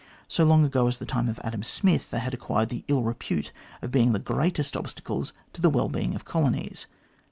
So long ago as the time of Adam Smith, they had acquired the ill repute of being the greatest obstacles to the well being of colonies.